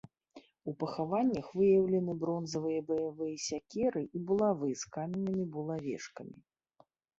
У пахаваннях выяўлены бронзавыя баявыя сякеры і булавы з каменнымі булавешкамі.